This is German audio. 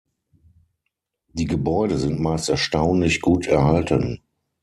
Die Gebäude sind meist erstaunlich gut erhalten.